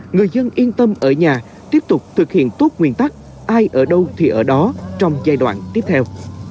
người dân yên tâm ở nhà tiếp tục thực hiện tốt nguyên tắc ai ở đâu thì ở đó trong giai đoạn tiếp theo